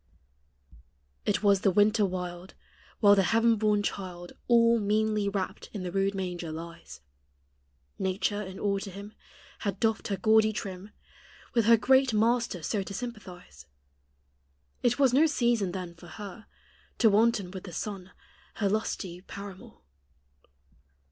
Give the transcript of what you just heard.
It was the winter wild While the heaven born child All meanly wrapt in the rude manger lies Nature, in awe to Him, Had doffed her gaudy trim, With her great Master so to sympathize; It was no season then for her To wanton with the sun, her lusty paramour.